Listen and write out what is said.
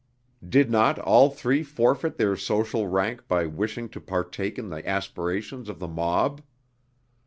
Did not all three forfeit their social rank by wishing to partake in the aspirations of the mob?